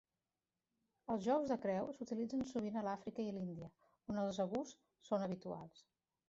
Els jous de creu s'utilitzen sovint a l'Àfrica i la Índia, on els zebús són habituals.